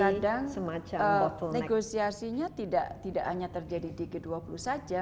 jadi kadang kadang negosiasinya tidak hanya terjadi di g dua puluh saja